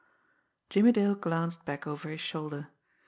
Jimmie Dale glanced back over his shoulder.